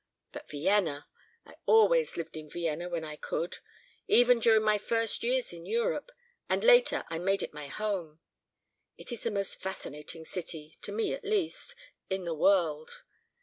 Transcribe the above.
But Vienna! I always lived in Vienna when I could, even during my first years in Europe, and later I made it my home. It is the most fascinating city, to me at least, in the world.